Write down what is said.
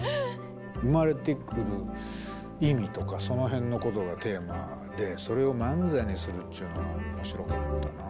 生まれてくる意味とか、そのへんのことがテーマで、それを漫才にするっちゅうのは、おもしろかったなあ。